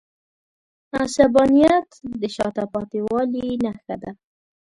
عصبانیت د شاته پاتې والي نښه ده.